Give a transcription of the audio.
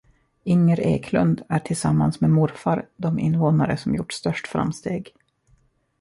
Inger Eklund är tillsammans med morfar de invånare som gjort störst framsteg.